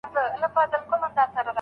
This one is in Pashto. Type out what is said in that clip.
مهربان زړونه د اللهﷻ خوښیږي.